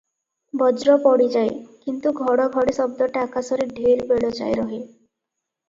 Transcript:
ବଜ୍ର ପଡ଼ିଯାଏ, କିନ୍ତୁ ଘଡ଼ଘଡ଼ି ଶବ୍ଦଟା ଆକାଶରେ ଢେର୍ ବେଳ ଯାଏ ରହେ ।